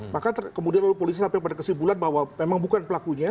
maka kemudian lalu polisi sampai pada kesimpulan bahwa memang bukan pelakunya